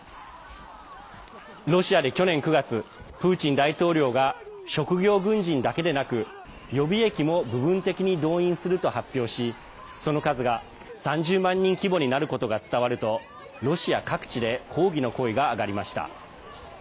ロシアで去年９月プーチン大統領が職業軍人だけでなく、予備役も部分的に動員すると発表しその数が３０万人規模になることが伝わるとロシア各地で抗議の声が上がりました。